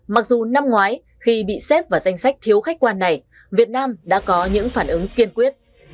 mặc dù năm ngoái khi bị xếp vào danh sách thiếu khách quan này việt nam đã có những phản ứng kiên quyết